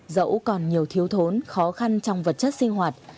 dẫu còn nhiều thiếu thốn khó khăn trong vật chất sinh hoạt